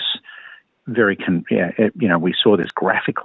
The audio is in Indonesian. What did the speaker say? sebuah respon yang tidak berguna